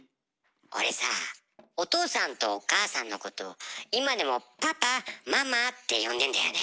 俺さあお父さんとお母さんのことを今でもパパママって呼んでんだよね。